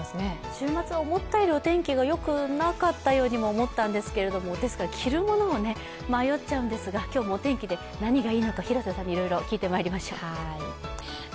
週末、思ったよりお天気がよくなかったようにも思ったんですけれどもですから着るものに迷っちゃうんですが、ですから今日、お天気で何がいいのか、広瀬さんにいろいろ聞いてまいりましょう。